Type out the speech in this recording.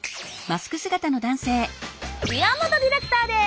岩本ディレクターです。